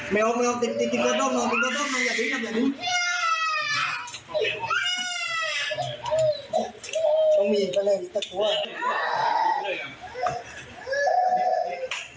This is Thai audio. ไม่ง่าไม่ทิศที่ดองน้องไม่เคยด้วย